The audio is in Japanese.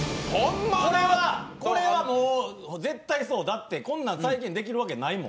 これはもう、絶対そう、だって、こんなん再現できるわけないもん。